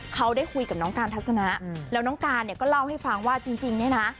เขาได้คุยกับน้องการทัศนะแล้วน้องการเนี่ยก็เล่าให้ฟังว่าจริงเนี่ยนะ